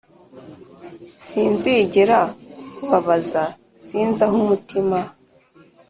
sinzigera nkubabaza."sinzi aho umutima